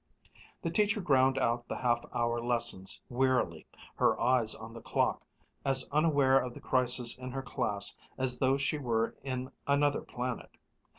The teacher ground out the half hour lessons wearily, her eyes on the clock, as unaware of the crisis in her class as though she were in another planet.